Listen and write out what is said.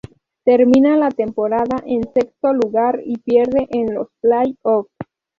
Termina la temporada en sexto lugar, y pierde en los "play-off".